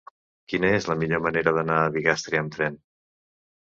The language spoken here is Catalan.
Quina és la millor manera d'anar a Bigastre amb tren?